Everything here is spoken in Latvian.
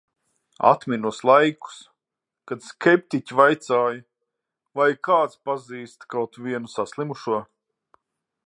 Atminos laikus, kad skeptiķi vaicāja, vai kāds pazīst kaut vienu saslimušo.